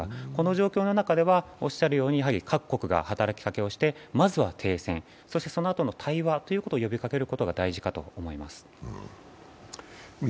この状況の中ではおっしゃるように各国が働きかけをして、まずは停戦、そのあとの対話ということを呼びかけることが大事かと思います。